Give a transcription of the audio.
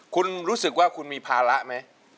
คุณรู้สึกว่าคุณมีภาระไหม